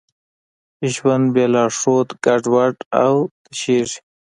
ژوند بېلارښوده ګډوډ او تشېږي.